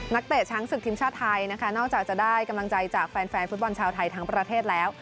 เตะช้างศึกทีมชาติไทยนะคะนอกจากจะได้กำลังใจจากแฟนแฟนฟุตบอลชาวไทยทั้งประเทศแล้ว